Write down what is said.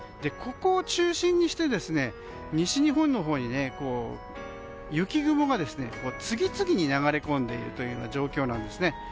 ここを中心にして西日本のほうに雪雲が次々に流れ込んでいる状況なんですね。